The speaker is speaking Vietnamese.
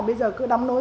bây giờ cứ đóng nối